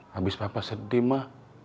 habis papa sedih ma